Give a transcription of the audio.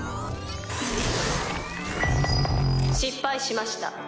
失敗しました。